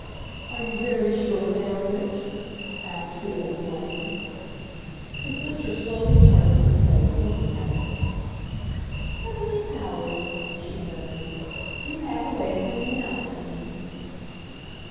"Are you very sure they are rich?" asked Felix, lightly. His sister slowly turned in her place, looking at him. "Heavenly powers!" she murmured. "You have a way of bringing out things!"